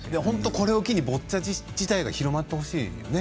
これを機にボッチャ自体が広まってほしいですよね。